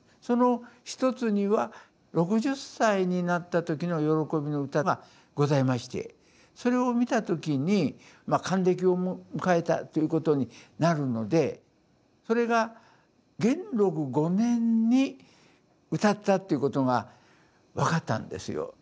その一つには６０歳になった時の慶びの歌がございましてそれを見た時に還暦を迎えたということになるのでそれが元禄５年に詠ったっていうことが分かったんですよ。